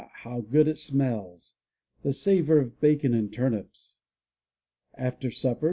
how good it smells, the savor of bacon and turnips! After supper.